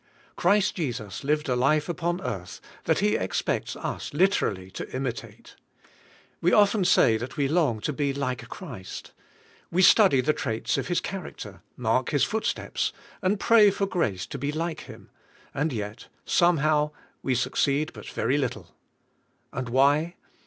Christ Jesus lived a life upon earth that He expects us CHRIST OUR LIFE 73 literally to imitate. We often say that we long to be like Christ. We study the traits of His char acter, mark His footsteps, and pray for grace to be like Him, and yet, somehow, we succeed but very little. And why?